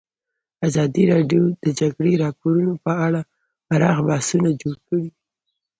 ازادي راډیو د د جګړې راپورونه په اړه پراخ بحثونه جوړ کړي.